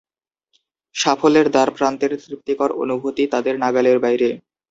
সাফল্যের দ্বারপ্রান্তের তৃপ্তিকর অনুভূতি তাদের নাগালের বাইরে।